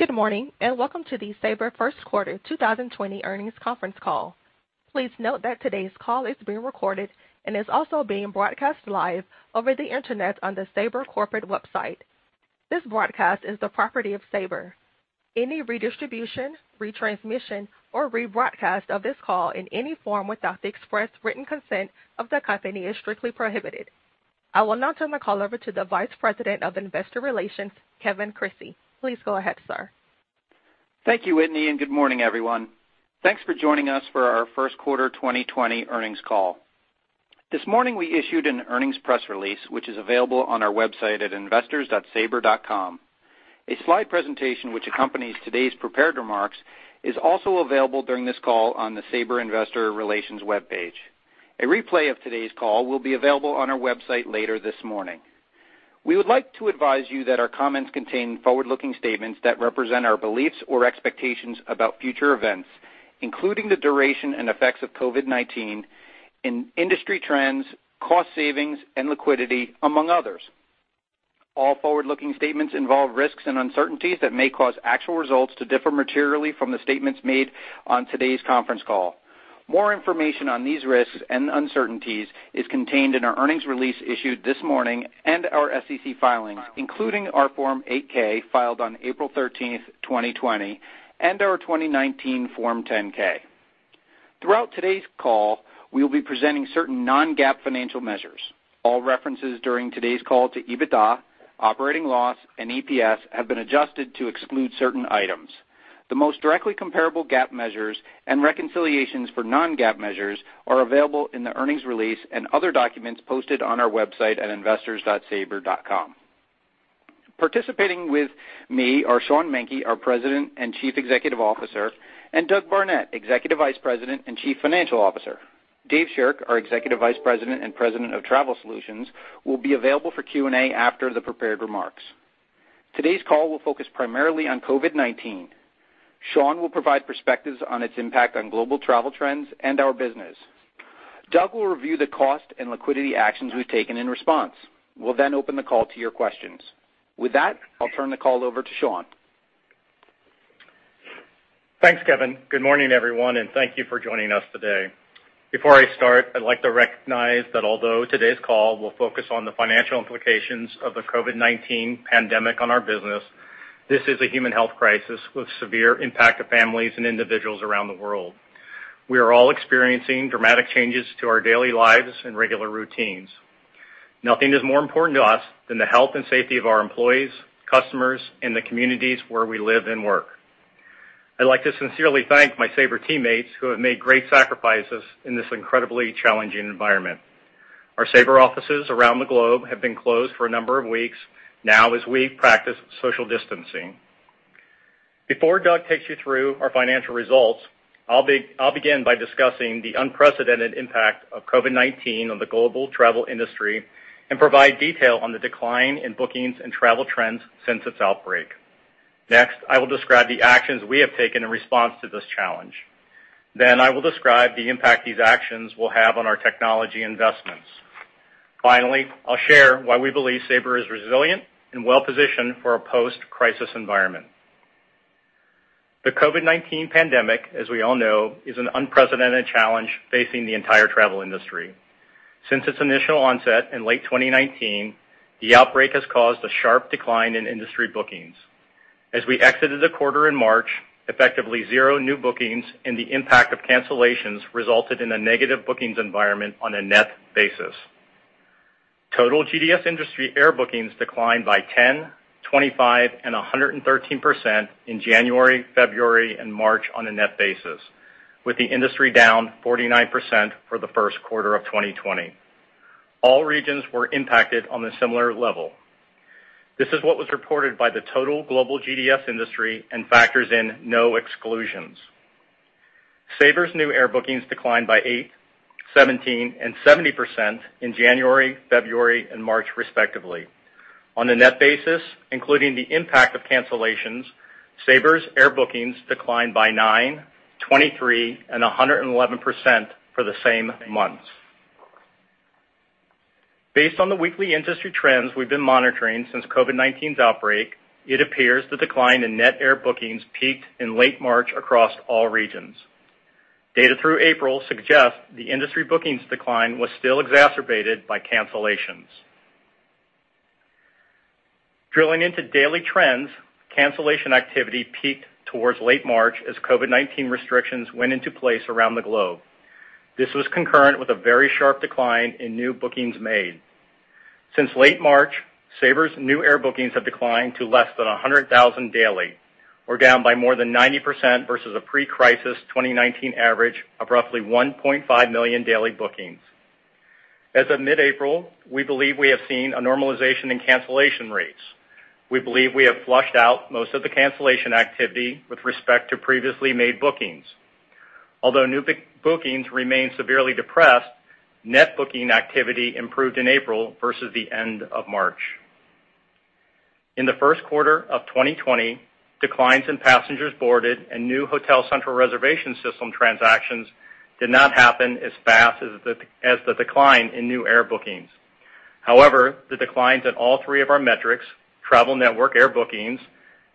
Good morning, and welcome to the Sabre Q1 2020 Earnings Conference Call. Please note that today's call is being recorded and is also being broadcast live over the internet on the Sabre corporate website. This broadcast is the property of Sabre. Any redistribution, retransmission, or rebroadcast of this call in any form without the express written consent of the company is strictly prohibited. I will now turn the call over to the Vice President of Investor Relations, Kevin Crissey. Please go ahead, sir. Thank you, Whitney, and good morning, everyone. Thanks for joining us for our Q1 2020 earnings call. This morning, we issued an earnings press release, which is available on our website at investors.sabre.com. A slide presentation which accompanies today's prepared remarks is also available during this call on the Sabre Investor Relations webpage. A replay of today's call will be available on our website later this morning. We would like to advise you that our comments contain forward-looking statements that represent our beliefs or expectations about future events, including the duration and effects of COVID-19, industry trends, cost savings, and liquidity, among others. All forward-looking statements involve risks and uncertainties that may cause actual results to differ materially from the statements made on today's conference call. More information on these risks and uncertainties is contained in our earnings release issued this morning and our SEC filings, including our Form 8-K filed on April 13, 2020, and our 2019 Form 10-K. Throughout today's call, we will be presenting certain non-GAAP financial measures. All references during today's call to EBITDA, operating loss, and EPS have been adjusted to exclude certain items. The most directly comparable GAAP measures and reconciliations for non-GAAP measures are available in the earnings release and other documents posted on our website at investors.sabre.com. Participating with me are Sean Menke, our President and Chief Executive Officer, and Doug Barnett, Executive Vice President and Chief Financial Officer. Dave Shirk, our Executive Vice President and President of Travel Solutions, will be available for Q&A after the prepared remarks. Today's call will focus primarily on COVID-19. Sean will provide perspectives on its impact on global travel trends and our business. Doug will review the cost and liquidity actions we've taken in response. We'll open the call to your questions. With that, I'll turn the call over to Sean. Thanks, Kevin. Good morning, everyone, and thank you for joining us today. Before I start, I'd like to recognize that although today's call will focus on the financial implications of the COVID-19 pandemic on our business, this is a human health crisis with severe impact to families and individuals around the world. We are all experiencing dramatic changes to our daily lives and regular routines. Nothing is more important to us than the health and safety of our employees, customers, and the communities where we live and work. I'd like to sincerely thank my Sabre teammates who have made great sacrifices in this incredibly challenging environment. Our Sabre offices around the globe have been closed for a number of weeks now as we practice social distancing. Before Doug takes you through our financial results, I'll begin by discussing the unprecedented impact of COVID-19 on the global travel industry and provide detail on the decline in bookings and travel trends since its outbreak. I will describe the actions we have taken in response to this challenge. I will describe the impact these actions will have on our technology investments. I'll share why we believe Sabre is resilient and well-positioned for a post-crisis environment. The COVID-19 pandemic, as we all know, is an unprecedented challenge facing the entire travel industry. Since its initial onset in late 2019, the outbreak has caused a sharp decline in industry bookings. As we exited the quarter in March, effectively zero new bookings and the impact of cancellations resulted in a negative bookings environment on a net basis. Total GDS industry air bookings declined by 10%, 25% and 113% in January, February, and March on a net basis, with the industry down 49% for the Q1 of 2020. All regions were impacted on a similar level. This is what was reported by the total global GDS industry and factors in no exclusions. Sabre's new air bookings declined by 8%, 17% and 70% in January, February, and March, respectively. On a net basis, including the impact of cancellations, Sabre's air bookings declined by 9%, 23% and 111% for the same months. Based on the weekly industry trends we've been monitoring since COVID-19's outbreak, it appears the decline in net air bookings peaked in late March across all regions. Data through April suggests the industry bookings decline was still exacerbated by cancellations. Drilling into daily trends, cancellation activity peaked towards late March as COVID-19 restrictions went into place around the globe. This was concurrent with a very sharp decline in new bookings made. Since late March, Sabre's new air bookings have declined to less than 100,000 daily. We're down by more than 90% versus a pre-crisis 2019 average of roughly 1.5 million daily bookings. As of mid-April, we believe we have seen a normalization in cancellation rates. We believe we have flushed out most of the cancellation activity with respect to previously made bookings. Although new bookings remain severely depressed, net booking activity improved in April versus the end of March. In the Q1 of 2020, declines in passengers boarded and new hotel central reservation system transactions did not happen as fast as the decline in new air bookings. However, the declines in all three of our metrics, Travel Network air bookings,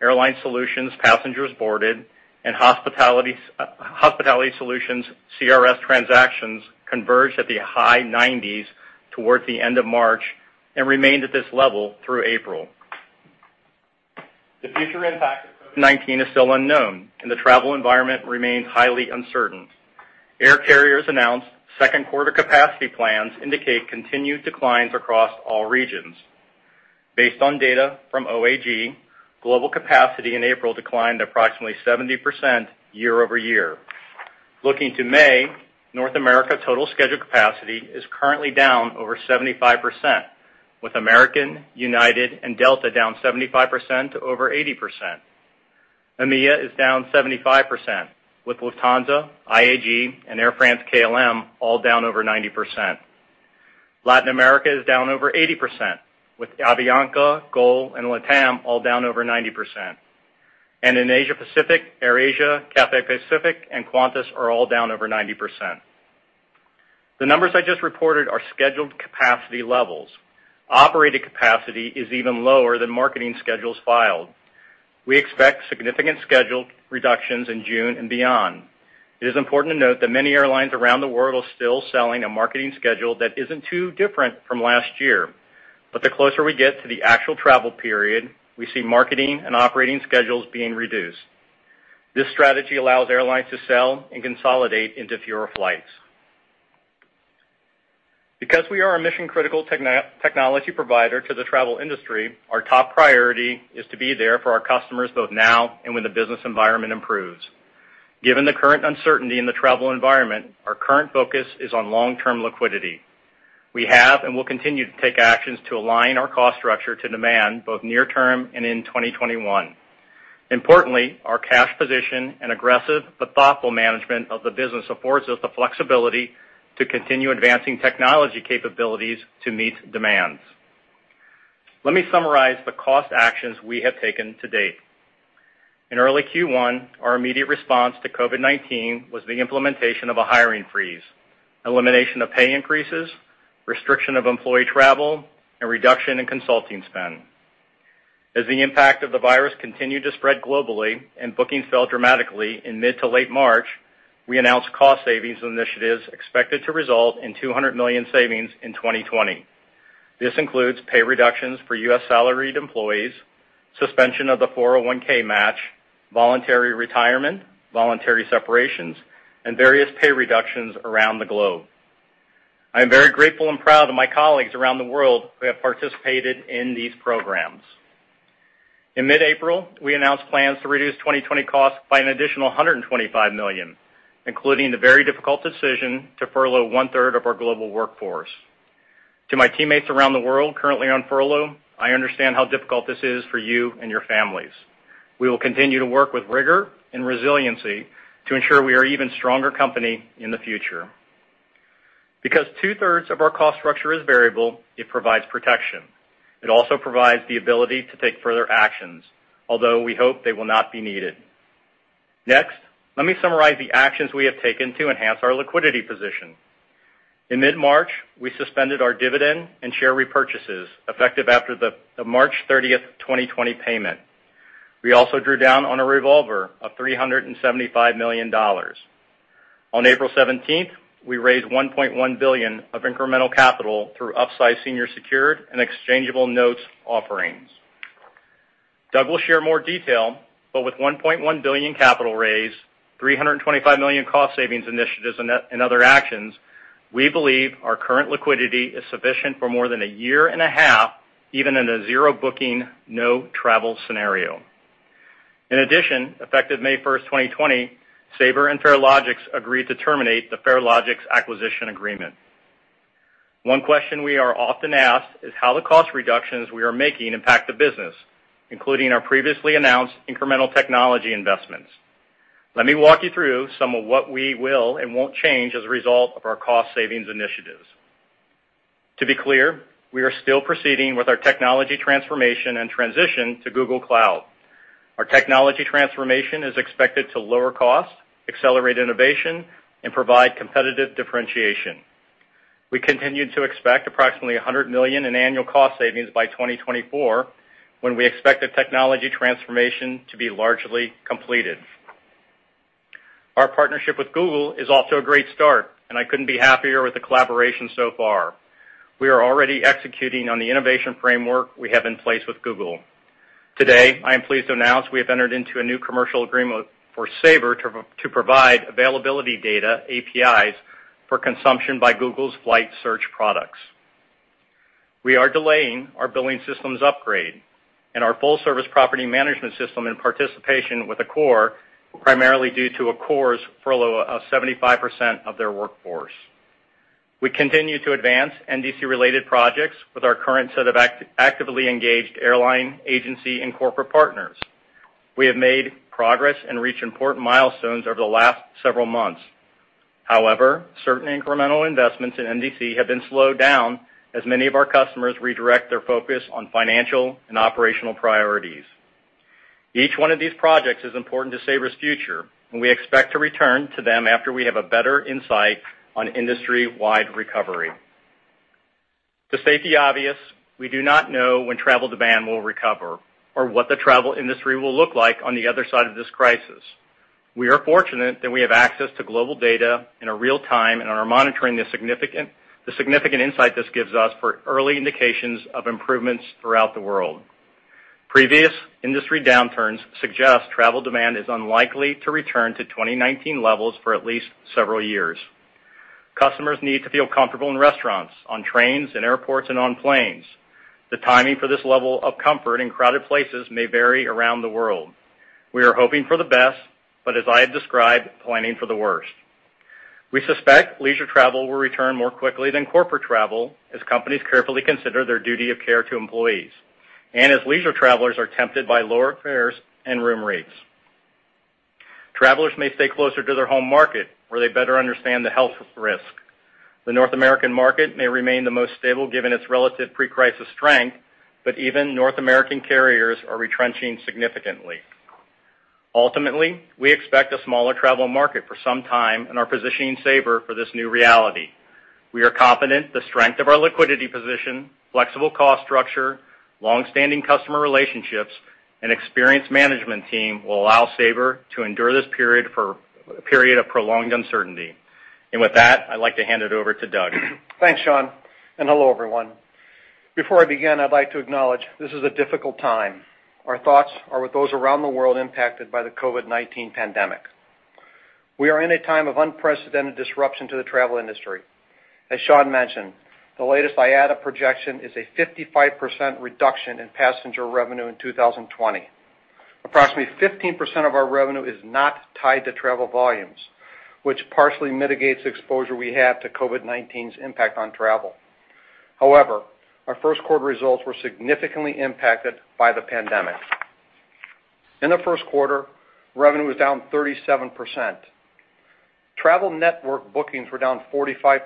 Airline Solutions passengers boarded, and Hospitality Solutions CRS transactions converged at the high 90s towards the end of March and remained at this level through April. The future impact of COVID-19 is still unknown, and the travel environment remains highly uncertain. Air carriers announced Q2 capacity plans indicate continued declines across all regions. Based on data from OAG, global capacity in April declined approximately 70% year-over-year. Looking to May, North America total scheduled capacity is currently down over 75%, with American, United, and Delta down 75%-80%. EMEA is down 75%, with Lufthansa, IAG, and Air France-KLM all down over 90%. Latin America is down over 80%, with Avianca, Gol, and LATAM all down over 90%. In Asia Pacific, AirAsia, Cathay Pacific, and Qantas are all down over 90%. The numbers I just reported are scheduled capacity levels. Operated capacity is even lower than marketing schedules filed. We expect significant scheduled reductions in June and beyond. It is important to note that many airlines around the world are still selling a marketing schedule that isn't too different from last year. The closer we get to the actual travel period, we see marketing and operating schedules being reduced. This strategy allows airlines to sell and consolidate into fewer flights. Because we are a mission-critical technology provider to the travel industry, our top priority is to be there for our customers both now and when the business environment improves. Given the current uncertainty in the travel environment, our current focus is on long-term liquidity. We have and will continue to take actions to align our cost structure to demand, both near term and in 2021. Importantly, our cash position and aggressive but thoughtful management of the business affords us the flexibility to continue advancing technology capabilities to meet demands. Let me summarize the cost actions we have taken to date. In early Q1, our immediate response to COVID-19 was the implementation of a hiring freeze, elimination of pay increases, restriction of employee travel, and reduction in consulting spend. As the impact of the virus continued to spread globally and bookings fell dramatically in mid to late March, we announced cost savings initiatives expected to result in $200 million savings in 2020. This includes pay reductions for U.S. salaried employees, suspension of the 401(k) match, voluntary retirement, voluntary separations, and various pay reductions around the globe. I am very grateful and proud of my colleagues around the world who have participated in these programs. In mid-April, we announced plans to reduce 2020 costs by an additional $125 million, including the very difficult decision to furlough one-third of our global workforce. To my teammates around the world currently on furlough, I understand how difficult this is for you and your families. We will continue to work with rigor and resiliency to ensure we are an even stronger company in the future. Because two-thirds of our cost structure is variable, it provides protection. It also provides the ability to take further actions, although we hope they will not be needed. Next, let me summarize the actions we have taken to enhance our liquidity position. In mid-March, we suspended our dividend and share repurchases, effective after the March 30, 2020 payment. We also drew down on a revolver of $375 million. On April 17, we raised $1.1 billion of incremental capital through upsized senior secured and exchangeable notes offerings. Doug will share more detail, but with $1.1 billion capital raise, $325 million cost savings initiatives and other actions, we believe our current liquidity is sufficient for more than a year and a half, even in a zero booking, no travel scenario. In addition, effective May 1, 2020, Sabre and Farelogix agreed to terminate the Farelogix acquisition agreement. One question we are often asked is how the cost reductions we are making impact the business, including our previously announced incremental technology investments. Let me walk you through some of what we will and won't change as a result of our cost savings initiatives. To be clear, we are still proceeding with our technology transformation and transition to Google Cloud. Our technology transformation is expected to lower costs, accelerate innovation, and provide competitive differentiation. We continue to expect approximately $100 million in annual cost savings by 2024, when we expect the technology transformation to be largely completed. Our partnership with Google is off to a great start, and I couldn't be happier with the collaboration so far. We are already executing on the innovation framework we have in place with Google. Today, I am pleased to announce we have entered into a new commercial agreement for Sabre to provide availability data APIs for consumption by Google's flight search products. We are delaying our billing systems upgrade and our full-service property management system in participation with Accor, primarily due to Accor's furlough of 75% of their workforce. We continue to advance NDC-related projects with our current set of actively engaged airline, agency, and corporate partners. We have made progress and reached important milestones over the last several months. Certain incremental investments in NDC have been slowed down as many of our customers redirect their focus on financial and operational priorities. Each one of these projects is important to Sabre's future, and we expect to return to them after we have a better insight on industry-wide recovery. To state the obvious, we do not know when travel demand will recover or what the travel industry will look like on the other side of this crisis. We are fortunate that we have access to global data in a real time and are monitoring the significant insight this gives us for early indications of improvements throughout the world. Previous industry downturns suggest travel demand is unlikely to return to 2019 levels for at least several years. Customers need to feel comfortable in restaurants, on trains, in airports, and on planes. The timing for this level of comfort in crowded places may vary around the world. We are hoping for the best, but as I have described, planning for the worst. We suspect leisure travel will return more quickly than corporate travel as companies carefully consider their duty of care to employees, and as leisure travelers are tempted by lower fares and room rates. Travelers may stay closer to their home market, where they better understand the health risk. The North American market may remain the most stable given its relative pre-crisis strength, but even North American carriers are retrenching significantly. Ultimately, we expect a smaller travel market for some time and are positioning Sabre for this new reality. We are confident the strength of our liquidity position, flexible cost structure, long-standing customer relationships, and experienced management team will allow Sabre to endure this period of prolonged uncertainty. With that, I'd like to hand it over to Doug. Thanks, Sean, and hello, everyone. Before I begin, I'd like to acknowledge this is a difficult time. Our thoughts are with those around the world impacted by the COVID-19 pandemic. We are in a time of unprecedented disruption to the travel industry. As Sean mentioned, the latest IATA projection is a 55% reduction in passenger revenue in 2020. Approximately 15% of our revenue is not tied to travel volumes, which partially mitigates the exposure we have to COVID-19's impact on travel. However, our Q1 results were significantly impacted by the pandemic. In the Q1, revenue was down 37%. Travel Network bookings were down 45%.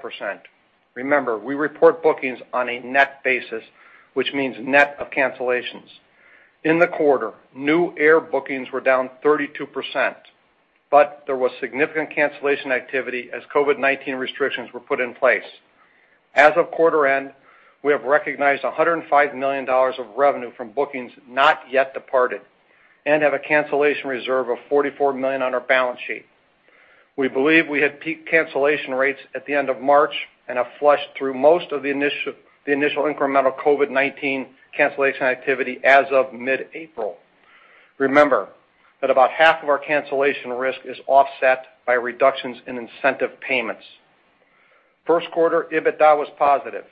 Remember, we report bookings on a net basis, which means net of cancellations. In the quarter, new air bookings were down 32%, but there was significant cancellation activity as COVID-19 restrictions were put in place. As of quarter end, we have recognized $105 million of revenue from bookings not yet departed and have a cancellation reserve of $44 million on our balance sheet. We believe we had peak cancellation rates at the end of March and have flushed through most of the initial incremental COVID-19 cancellation activity as of mid-April. Remember that about half of our cancellation risk is offset by reductions in incentive payments. Q1 EBITDA was positive.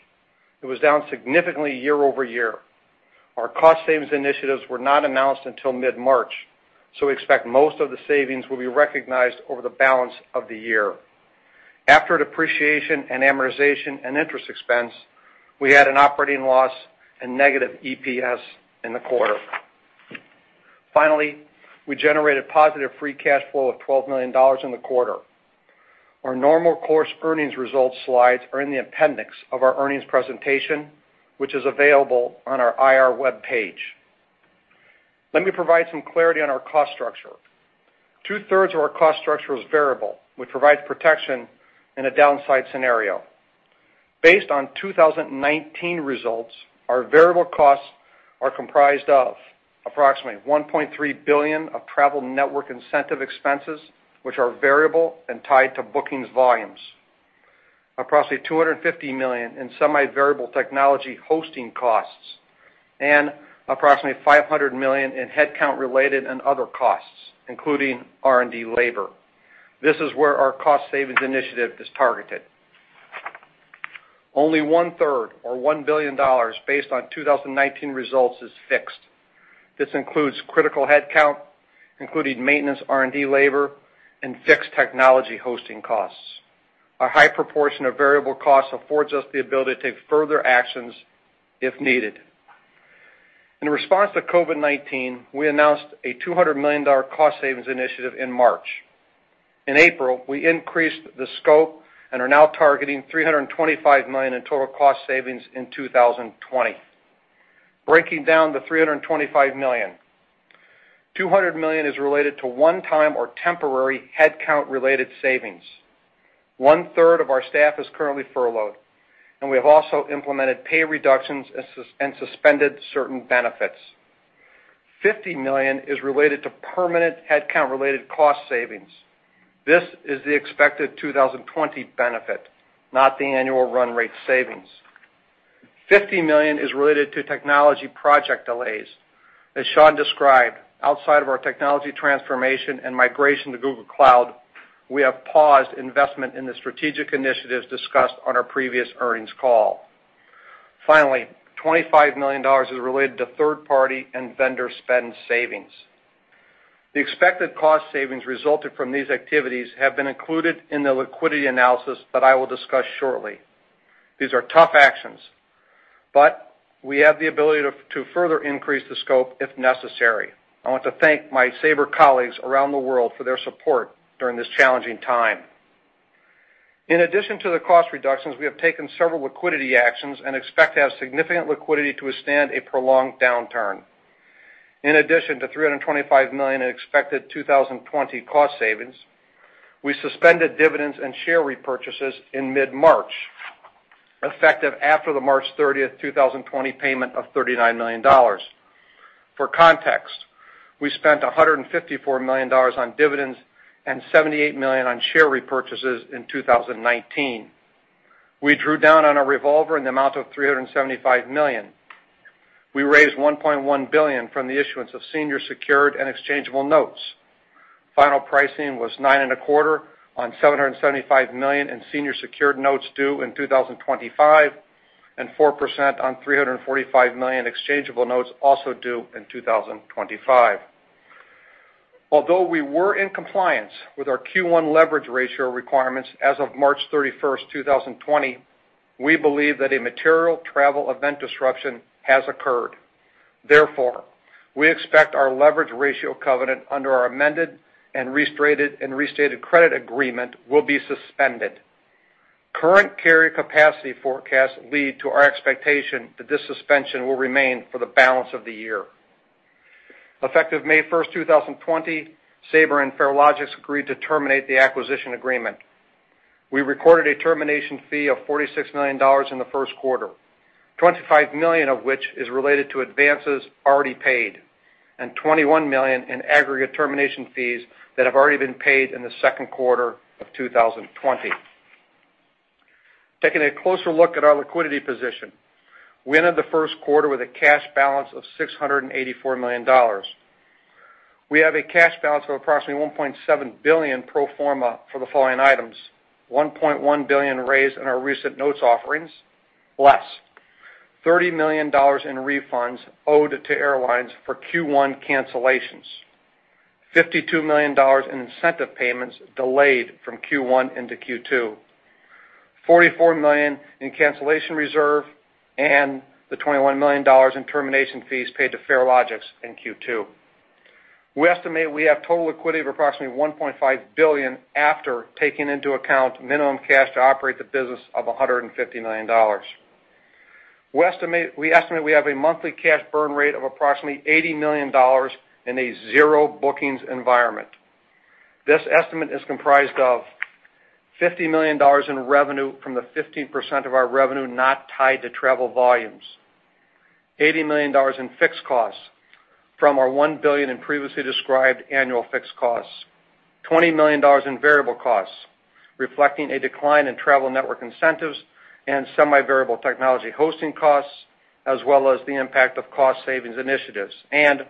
It was down significantly year-over-year. Expect most of the savings will be recognized over the balance of the year. After depreciation and amortization and interest expense, we had an operating loss and negative EPS in the quarter. Finally, we generated positive free cash flow of $12 million in the quarter. Our normal course earnings results slides are in the appendix of our earnings presentation, which is available on our IR webpage. Let me provide some clarity on our cost structure. Two-thirds of our cost structure is variable, which provides protection in a downside scenario. Based on 2019 results, our variable costs are comprised of approximately $1.3 billion of Travel Network incentive expenses, which are variable and tied to bookings volumes, approximately $250 million in semi-variable technology hosting costs, and approximately $500 million in headcount-related and other costs, including R&D labor. This is where our cost savings initiative is targeted. Only one-third or $1 billion based on 2019 results is fixed. This includes critical headcount, including maintenance R&D labor, and fixed technology hosting costs. Our high proportion of variable costs affords us the ability to take further actions if needed. In response to COVID-19, we announced a $200 million cost savings initiative in March. In April, we increased the scope and are now targeting $325 million in total cost savings in 2020. Breaking down the $325 million, $200 million is related to one-time or temporary headcount-related savings. One-third of our staff is currently furloughed, and we have also implemented pay reductions and suspended certain benefits. $50 million is related to permanent headcount-related cost savings. This is the expected 2020 benefit, not the annual run rate savings. $50 million is related to technology project delays. As Sean described, outside of our technology transformation and migration to Google Cloud, we have paused investment in the strategic initiatives discussed on our previous earnings call. Finally, $25 million is related to third party and vendor spend savings. The expected cost savings resulted from these activities have been included in the liquidity analysis that I will discuss shortly. These are tough actions, but we have the ability to further increase the scope if necessary. I want to thank my Sabre colleagues around the world for their support during this challenging time. In addition to the cost reductions, we have taken several liquidity actions and expect to have significant liquidity to withstand a prolonged downturn. In addition to $325 million in expected 2020 cost savings, we suspended dividends and share repurchases in mid-March, effective after the March 30th, 2020 payment of $39 million. For context, we spent $154 million on dividends and $78 million on share repurchases in 2019. We drew down on our revolver in the amount of $375 million. We raised $1.1 billion from the issuance of senior secured and exchangeable notes. Final pricing was 9.25 on $775 million in senior secured notes due in 2025, and 4% on $345 million exchangeable notes, also due in 2025. Although we were in compliance with our Q1 leverage ratio requirements as of March 31st, 2020, we believe that a material travel event disruption has occurred. We expect our leverage ratio covenant under our amended and restated credit agreement will be suspended. Current carrier capacity forecasts lead to our expectation that this suspension will remain for the balance of the year. Effective May 1st, 2020, Sabre and Farelogix agreed to terminate the acquisition agreement. We recorded a termination fee of $46 million in the Q1, $25 million of which is related to advances already paid, and $21 million in aggregate termination fees that have already been paid in the Q2 of 2020. Taking a closer look at our liquidity position, we ended the Q1 with a cash balance of $684 million. We have a cash balance of approximately $1.7 billion pro forma for the following items: $1.1 billion raised in our recent notes offerings, less $30 million in refunds owed to airlines for Q1 cancellations, $52 million in incentive payments delayed from Q1 into Q2, $44 million in cancellation reserve, and the $21 million in termination fees paid to Farelogix in Q2. We estimate we have total liquidity of approximately $1.5 billion after taking into account minimum cash to operate the business of $150 million. We estimate we have a monthly cash burn rate of approximately $80 million in a zero bookings environment. This estimate is comprised of $50 million in revenue from the 15% of our revenue not tied to travel volumes, $80 million in fixed costs from our $1 billion in previously described annual fixed costs, $20 million in variable costs, reflecting a decline in Travel Network incentives and semi-variable technology hosting costs, as well as the impact of cost savings initiatives, and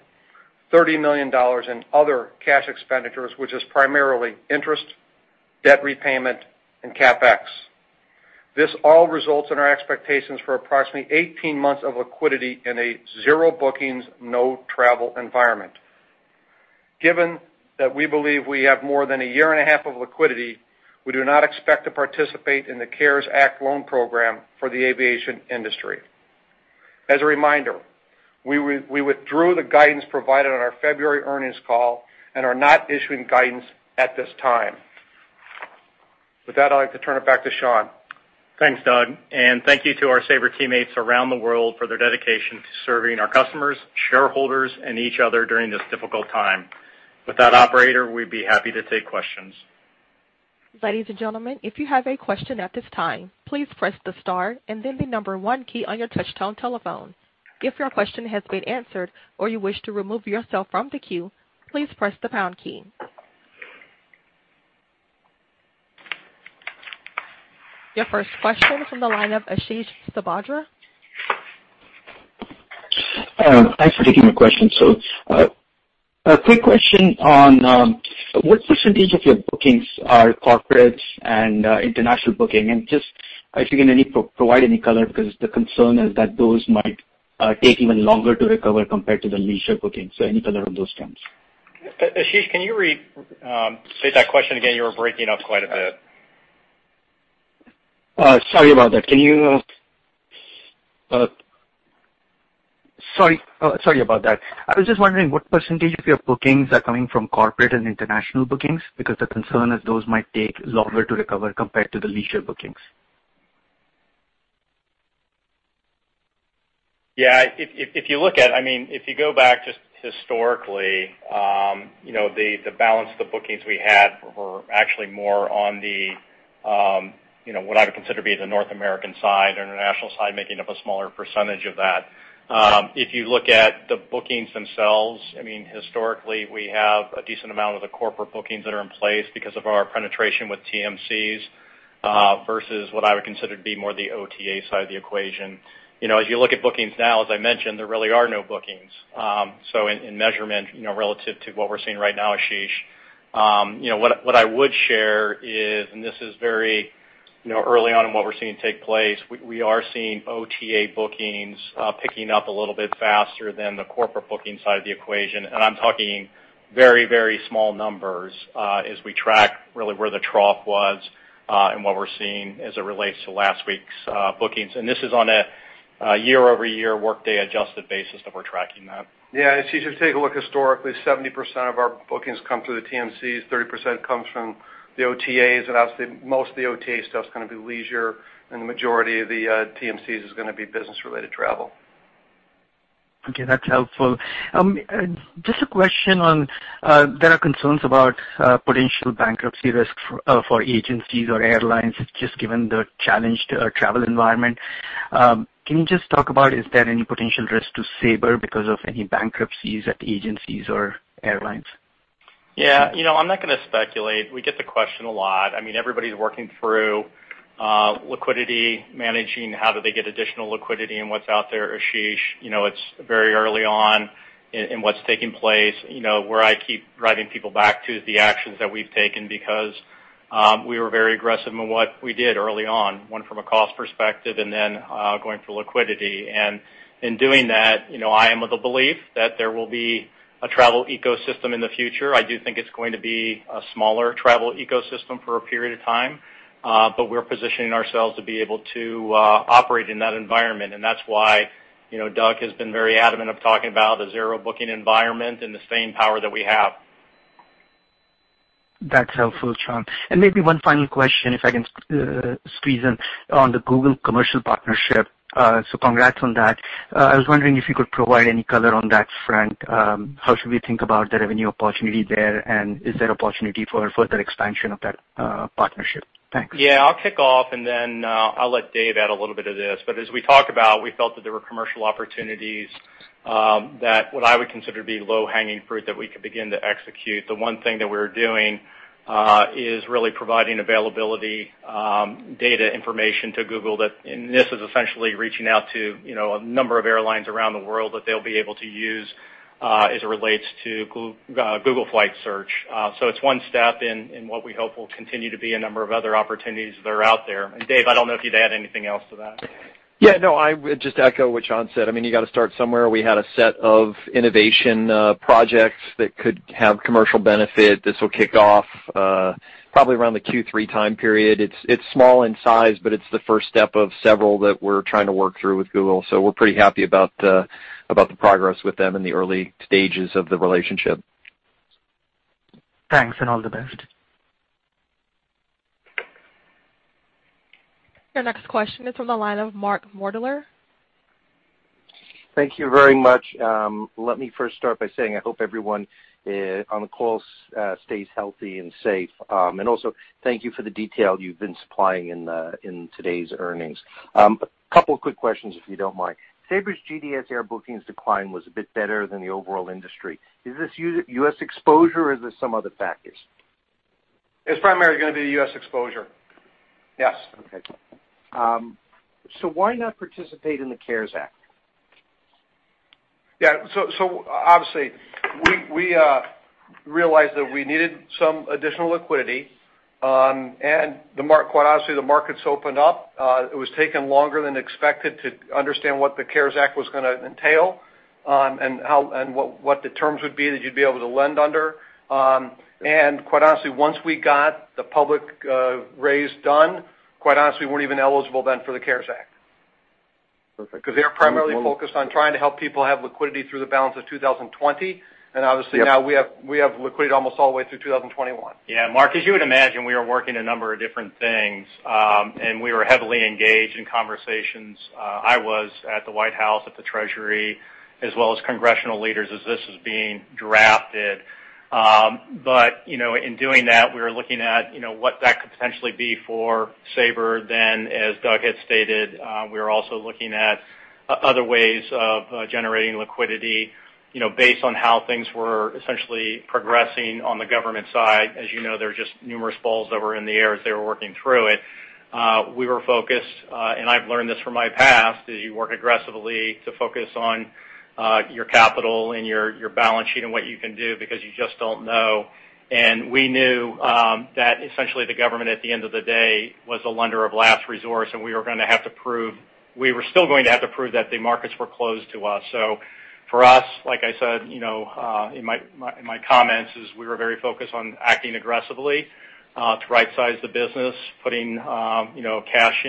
$30 million in other cash expenditures, which is primarily interest, debt repayment, and CapEx. This all results in our expectations for approximately 18 months of liquidity in a zero bookings, no travel environment. Given that we believe we have more than a year and a half of liquidity, we do not expect to participate in the CARES Act loan program for the aviation industry. As a reminder, we withdrew the guidance provided on our February earnings call and are not issuing guidance at this time. With that, I'd like to turn it back to Sean. Thanks, Doug, and thank you to our Sabre teammates around the world for their dedication to serving our customers, shareholders, and each other during this difficult time. With that, operator, we'd be happy to take questions. Ladies and gentlemen, if you have a question at this time, please press *1 on your touchtone telephone. If your question has been answered or you wish to remove yourself from the queue, please press the # key. Your first question is on the line of Ashish Sabadra. Thanks for taking the question. A quick question on what percentage of your bookings are corporate and international booking? Just if you can provide any color, because the concern is that those might take even longer to recover compared to the leisure bookings. Any color on those terms. Ashish, can you restate that question again? You were breaking up quite a bit. Sorry about that. I was just wondering what percentage of your bookings are coming from corporate and international bookings, because the concern is those might take longer to recover compared to the leisure bookings. Yeah. If you go back just historically, the balance of the bookings we had were actually more on what I would consider to be the North American side, international side making up a smaller percentage of that. If you look at the bookings themselves, historically, we have a decent amount of the corporate bookings that are in place because of our penetration with TMCs, versus what I would consider to be more the OTA side of the equation. As you look at bookings now, as I mentioned, there really are no bookings. In measurement, relative to what we're seeing right now, Ashish, what I would share is, and this is very early on in what we're seeing take place, we are seeing OTA bookings picking up a little bit faster than the corporate booking side of the equation. I'm talking very small numbers as we track really where the trough was and what we're seeing as it relates to last week's bookings. This is on a year-over-year workday adjusted basis that we're tracking that. Yeah. It's easy to take a look historically, 70% of our bookings come through the TMCs, 30% comes from the OTAs. Obviously, most of the OTA stuff's going to be leisure, and the majority of the TMCs is going to be business-related travel. Okay, that's helpful. Just a question on, there are concerns about potential bankruptcy risk for agencies or airlines, just given the challenged travel environment. Can you just talk about, is there any potential risk to Sabre because of any bankruptcies at the agencies or airlines? Yeah. I'm not going to speculate. We get the question a lot. Everybody's working through liquidity, managing how do they get additional liquidity and what's out there, Ashish. It's very early on in what's taking place. Where I keep driving people back to is the actions that we've taken because we were very aggressive in what we did early on, one from a cost perspective, then going for liquidity. In doing that, I am of the belief that there will be a travel ecosystem in the future. I do think it's going to be a smaller travel ecosystem for a period of time. We're positioning ourselves to be able to operate in that environment, and that's why Doug has been very adamant of talking about a zero booking environment and the staying power that we have. That's helpful, Sean. Maybe one final question, if I can squeeze in on the Google commercial partnership. Congrats on that. I was wondering if you could provide any color on that front. How should we think about the revenue opportunity there, and is there opportunity for further expansion of that partnership? Thanks. Yeah. I'll kick off, and then I'll let Dave add a little bit of this. As we talked about, we felt that there were commercial opportunities that what I would consider to be low-hanging fruit that we could begin to execute. The one thing that we're doing, is really providing availability data information to Google that this is essentially reaching out to a number of airlines around the world that they'll be able to use as it relates to Google Flight Search. It's one step in what we hope will continue to be a number of other opportunities that are out there. Dave, I don't know if you'd add anything else to that. Yeah, no, I would just echo what Sean said. You got to start somewhere. We had a set of innovation projects that could have commercial benefit. This will kick off probably around the Q3 time period. It's small in size, but it's the first step of several that we're trying to work through with Google. We're pretty happy about the progress with them in the early stages of the relationship. Thanks, and all the best. Your next question is from the line of Mark Moerdler. Thank you very much. Let me first start by saying I hope everyone on the call stays healthy and safe. Also thank you for the detail you've been supplying in today's earnings. Couple quick questions, if you don't mind. Sabre's GDS air bookings decline was a bit better than the overall industry. Is this U.S. exposure, or is this some other factors? It's primarily going to be the U.S. exposure. Yes. Okay. Why not participate in the CARES Act? Yeah. Obviously, we realized that we needed some additional liquidity. Quite honestly, the markets opened up. It was taking longer than expected to understand what the CARES Act was going to entail and what the terms would be that you'd be able to lend under. Quite honestly, once we got the public raise done, quite honestly, we weren't even eligible then for the CARES Act. Perfect. They were primarily focused on trying to help people have liquidity through the balance of 2020. Obviously now we have liquidity almost all the way through 2021. Yeah. Mark, as you would imagine, we are working a number of different things. We were heavily engaged in conversations. I was at the White House, at the Treasury, as well as congressional leaders as this was being drafted. In doing that, we were looking at what that could potentially be for Sabre. As Doug had stated, we were also looking at other ways of generating liquidity based on how things were essentially progressing on the government side. As you know, there were just numerous balls that were in the air as they were working through it. We were focused, and I've learned this from my past, is you work aggressively to focus on your capital and your balance sheet and what you can do because you just don't know. We knew that essentially the government at the end of the day was a lender of last resort, and we were still going to have to prove that the markets were closed to us. For us, like I said in my comments, is we were very focused on acting aggressively to right-size the business, putting cash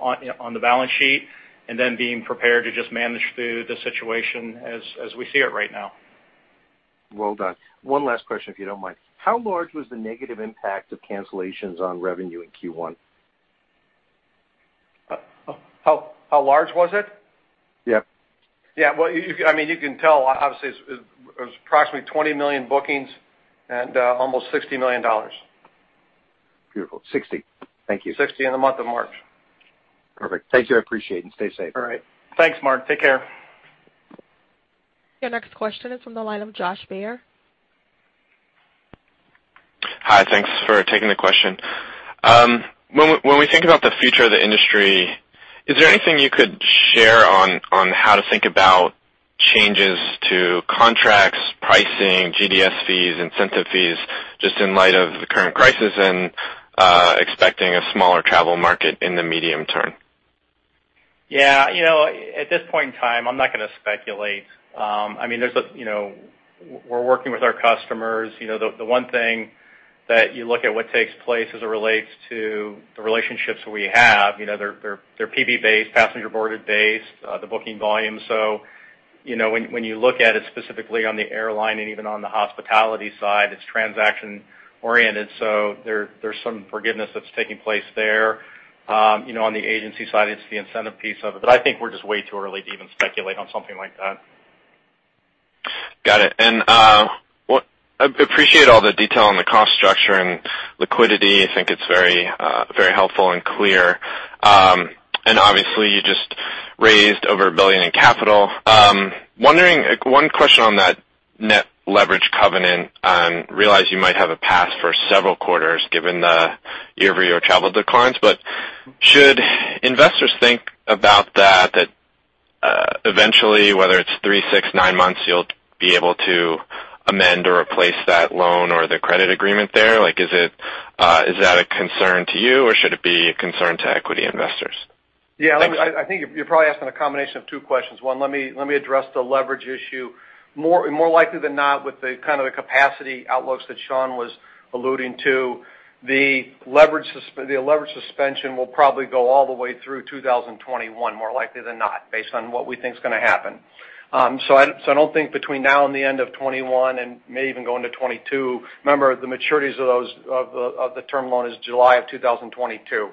on the balance sheet, and then being prepared to just manage through the situation as we see it right now. Well done. One last question, if you don't mind. How large was the negative impact of cancellations on revenue in Q1? How large was it? Yeah. Yeah. You can tell obviously it was approximately 20 million bookings and almost $60 million. Beautiful. 60? Thank you. 60 in the month of March. Perfect. Thank you. I appreciate it, and stay safe. All right. Thanks, Mark. Take care. Your next question is from the line of Josh Baer. Hi. Thanks for taking the question. When we think about the future of the industry, is there anything you could share on how to think about changes to contracts, pricing, GDS fees, incentive fees, just in light of the current crisis and expecting a smaller travel market in the medium term? Yeah. At this point in time, I'm not going to speculate. We're working with our customers. The one thing that you look at what takes place as it relates to the relationships we have. They're P/B based, passenger boarded based, the booking volume. When you look at it specifically on the airline and even on the hospitality side, it's transaction oriented, there's some forgiveness that's taking place there. On the agency side, it's the incentive piece of it. I think we're just way too early to even speculate on something like that. Got it. I appreciate all the detail on the cost structure and liquidity. I think it's very helpful and clear. Obviously you just raised over $1 billion in capital. One question on that net leverage covenant. I realize you might have a pass for several quarters given the year-over-year travel declines. Should investors think about that eventually, whether it's 3, 6, 9 months, you'll be able to amend or replace that loan or the credit agreement there? Is that a concern to you, or should it be a concern to equity investors? Yeah, I think you're probably asking a combination of two questions. One, let me address the leverage issue. More likely than not, with the capacity outlooks that Sean was alluding to, the leverage suspension will probably go all the way through 2021, more likely than not, based on what we think is going to happen. I don't think between now and the end of 2021, and may even go into 2022, remember the maturities of the term loan is July of 2022.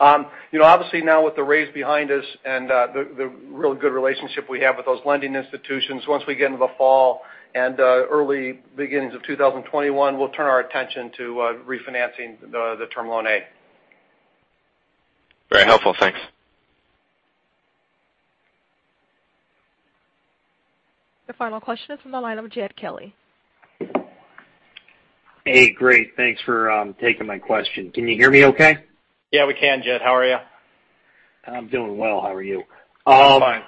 Obviously now with the raise behind us and the real good relationship we have with those lending institutions, once we get into the fall and early beginnings of 2021, we'll turn our attention to refinancing the Term Loan A. Very helpful. Thanks. Your final question is from the line of Jed Kelly. Hey, great, thanks for taking my question. Can you hear me okay? Yeah, we can Jed. How are you? I'm doing well. How are you? Fine.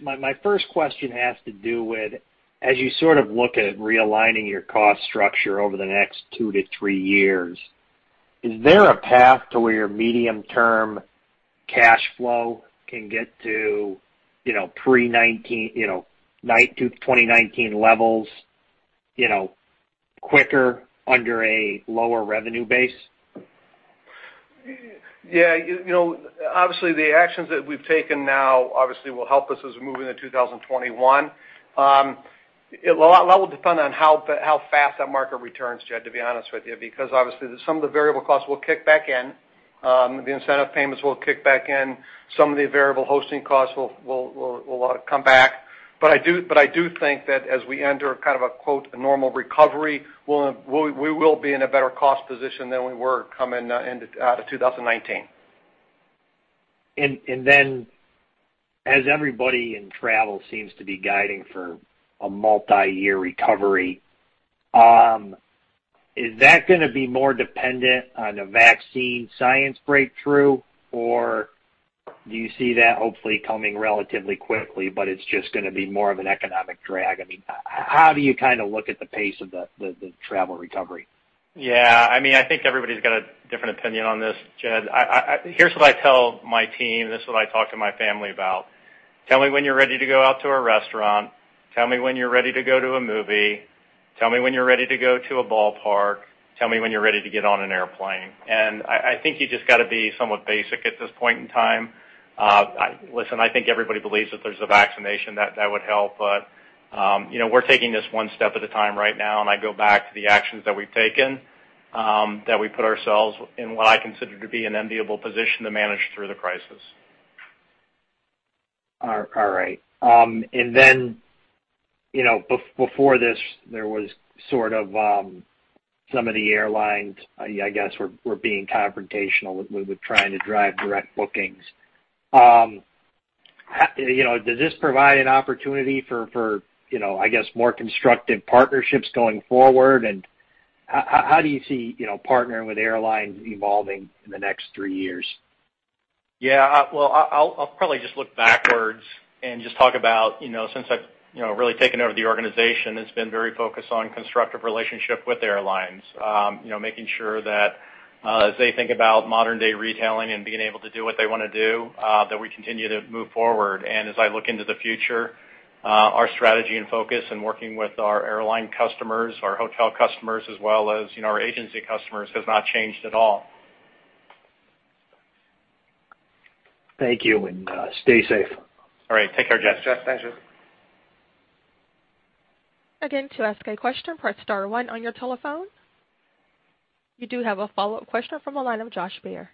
My first question has to do with, as you sort of look at realigning your cost structure over the next two to three years, is there a path to where your medium-term cash flow can get to pre-2019 levels quicker under a lower revenue base? The actions that we've taken now obviously will help us as we move into 2021. A lot will depend on how fast that market returns, Jed, to be honest with you, because obviously some of the variable costs will kick back in. The incentive payments will kick back in. Some of the variable hosting costs will come back. I do think that as we enter "a normal recovery," we will be in a better cost position than we were coming out of 2019. As everybody in travel seems to be guiding for a multi-year recovery, is that going to be more dependent on a vaccine science breakthrough, or do you see that hopefully coming relatively quickly, but it's just going to be more of an economic drag? I mean, how do you look at the pace of the travel recovery? Yeah, I think everybody's got a different opinion on this, Jed. Here's what I tell my team, this is what I talk to my family about. Tell me when you're ready to go out to a restaurant. Tell me when you're ready to go to a movie. Tell me when you're ready to go to a ballpark. Tell me when you're ready to get on an airplane. I think you just got to be somewhat basic at this point in time. Listen, I think everybody believes that there's a vaccination that would help. We're taking this one step at a time right now, and I go back to the actions that we've taken, that we put ourselves in what I consider to be an enviable position to manage through the crisis. All right. Before this, there was sort of some of the airlines, I guess, were being confrontational with trying to drive direct bookings. Does this provide an opportunity for more constructive partnerships going forward? How do you see partnering with airlines evolving in the next three years? Yeah. Well, I'll probably just look backwards and just talk about, since I've really taken over the organization, it's been very focused on constructive relationship with airlines. Making sure that as they think about modern day retailing and being able to do what they want to do, that we continue to move forward. As I look into the future, our strategy and focus in working with our airline customers, our hotel customers, as well as our agency customers, has not changed at all. Thank you, and stay safe. All right. Take care, Jed. Again, to ask a question, press *1 on your telephone. You do have a follow-up question from the line of Josh Baer.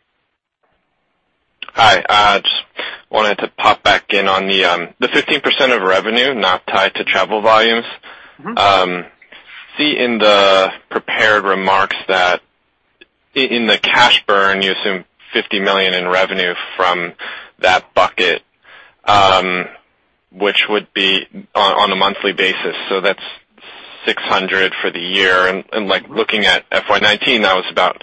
Hi. Just wanted to pop back in on the 15% of revenue not tied to travel volumes. See in the prepared remarks that in the cash burn, you assume $50 million in revenue from that bucket, which would be on a monthly basis, so that's $600 million for the year. Looking at FY 2019, that was about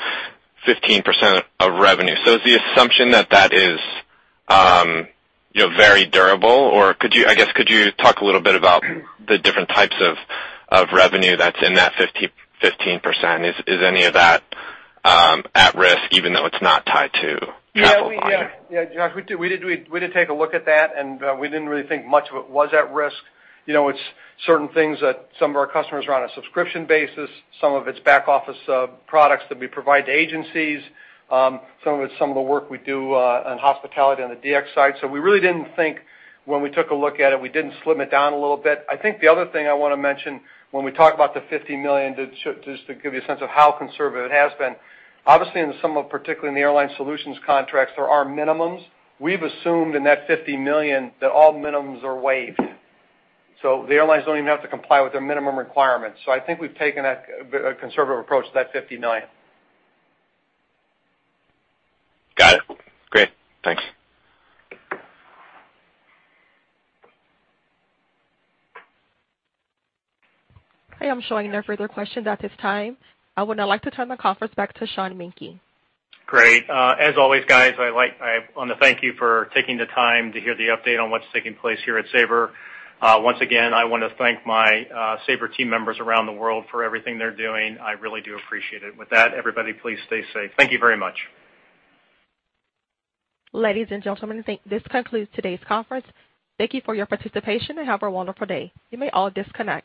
15% of revenue. Is the assumption that that is very durable? Could you talk a little bit about the different types of revenue that's in that 15%? Is any of that at risk, even though it's not tied to travel volume? Josh, we did take a look at that, we didn't really think much of it was at risk. It's certain things that some of our customers are on a subscription basis. Some of it's back office products that we provide to agencies. Some of it's some of the work we do on hospitality on the DX side. We really didn't think when we took a look at it, we didn't slim it down a little bit. I think the other thing I want to mention when we talk about the $50 million, just to give you a sense of how conservative it has been. In some of, particularly in the Airline Solutions contracts, there are minimums. We've assumed in that $50 million that all minimums are waived. The airlines don't even have to comply with their minimum requirements. I think we've taken a conservative approach to that $50 million. Got it. Great. Thanks. I am showing no further questions at this time. I would now like to turn the conference back to Sean Menke. Great. As always guys, I want to thank you for taking the time to hear the update on what's taking place here at Sabre. Once again, I want to thank my Sabre team members around the world for everything they're doing. I really do appreciate it. With that, everybody, please stay safe. Thank you very much. Ladies and gentlemen, this concludes today's conference. Thank you for your participation and have a wonderful day. You may all disconnect.